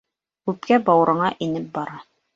Үпкә-бауырыңа инеп бара.